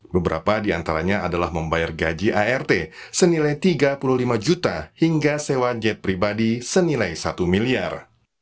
beberapa di antaranya adalah membayar gaji art senilai tiga puluh lima juta hingga sewa jet pribadi senilai satu miliar